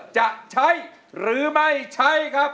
จะใช้หรือไม่ใช้ครับ